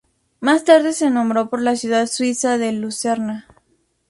Más tarde se nombró por la ciudad suiza de Lucerna.